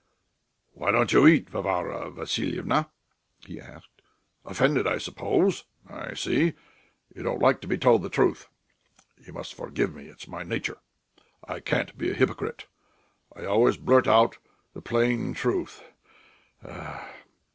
"Why don't you eat, Varvara Vassilyevna?" he asks. "Offended, I suppose? I see.... You don't like to be told the truth. You must forgive me, it's my nature; I can't be a hypocrite.... I always blurt out the plain truth" (a sigh).